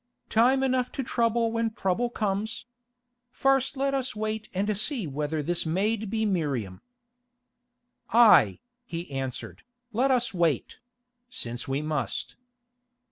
"Time enough to trouble when trouble comes. First let us wait and see whether this maid be Miriam." "Aye," he answered, "let us wait—since we must."